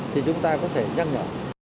thì chúng ta có thể nhắc nhở